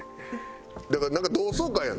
だからなんか同窓会やんな？